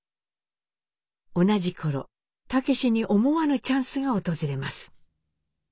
同じ頃武司に思わぬチャンスが訪れます。